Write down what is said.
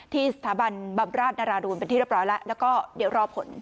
ที่สถาบันบำราชนราดูนเป็นที่เรียบร้อยแล้วแล้วก็เดี๋ยวรอผล